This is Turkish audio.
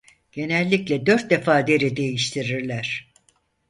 Genellikle dört defa deri değiştirirler.